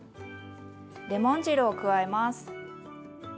レモン汁を加えます。